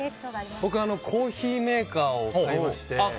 僕はコーヒーメーカーを買いまして。